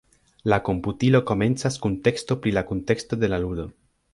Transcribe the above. La komputilo komencas kun teksto pri la kunteksto de la ludo.